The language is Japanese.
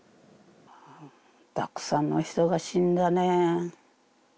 たくさんの人が死んだね。